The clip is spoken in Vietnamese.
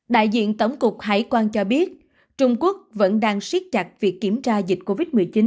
đại diện tổng cục hải quan cho biết trung quốc vẫn đang siết chặt việc kiểm tra dịch covid một mươi chín